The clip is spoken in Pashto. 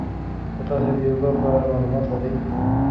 ایا تاسي د یوګا په اړه معلومات لرئ؟